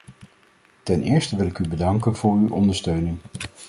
Ten eerste wil ik u bedanken voor uw ondersteuning.